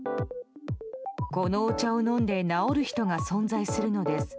このお茶を飲んで治る人が存在するのです。